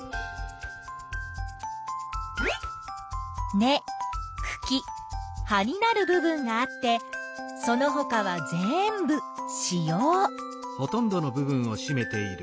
根・くき・葉になる部分があってそのほかは全部子葉。